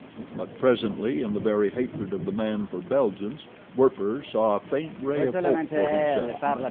But presently in the very hatred of the man for Belgians, Werper saw a faint ray of hope for himself.